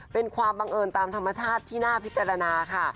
เป็นความบังเอิญตามธรรมชาติที่น่าพิจารณาค่ะ